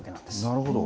なるほど。